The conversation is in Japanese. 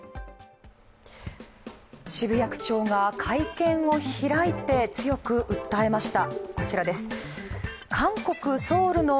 渋谷区長が会見を開いて強く訴えました。